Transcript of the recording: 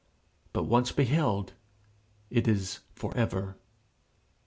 But once beheld it is for ever.